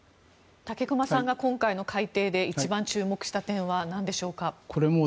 武隈さんが今回の改訂で一番注目した点は何でしょうか。